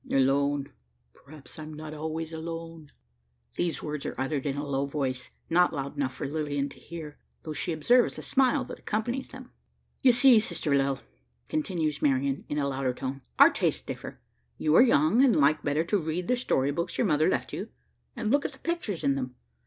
"Alone! Perhaps I am not always alone." These words are uttered in a low voice not loud enough for Lilian to hear, though she observes the smile that accompanies them. "You see, sister Lil," continues Marian in a louder tone our tastes differ. You are young, and like better to read the story books your mother left you, and look at the pictures in them.